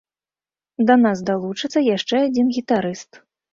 Да нас далучыцца яшчэ адзін гітарыст.